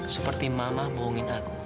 seperti mama bohongin aku